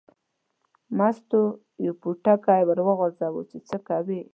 مستو یو پوټی ور وغورځاوه چې څه کوي.